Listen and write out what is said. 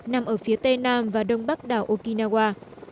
nằm ở phía tây nam và đông bắc đảo okinawa